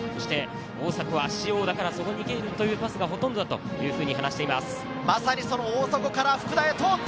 大迫は師王だから、そこに行けるというパスがほとんどだと話していました。